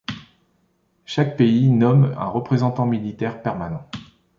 Chaque pays nomme un représentant militaire permanent.